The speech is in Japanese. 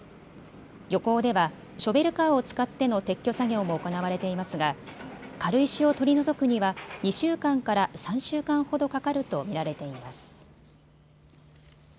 漁港ではショベルカーを使っての撤去作業も行われていますが、軽石を取り除くには２週間から３週間ほどかかると見られています。